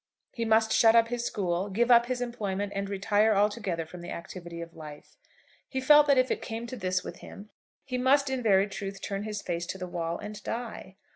He must shut up his school, give up his employment, and retire altogether from the activity of life. He felt that if it came to this with him he must in very truth turn his face to the wall and die.